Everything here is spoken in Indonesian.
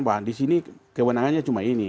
wah disini kewenangannya cuma ini